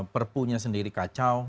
perpunya sendiri kacau